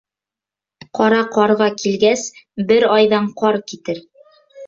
Ҡара ҡарға килгәс, бер айҙан ҡар китер.